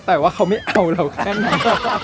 แต่ว่าเขาไม่เอาเราแค่นั้น